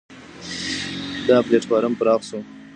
دا پلېټفارم پراخ شو.